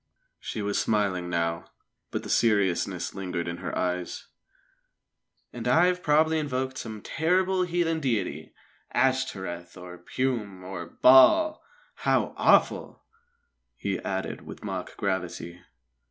She was smiling now, but the seriousness lingered in her eyes. "And I have probably invoked some terrible heathen deity Ashtoreth, or Pugm, or Baal! How awful!" he added, with mock gravity.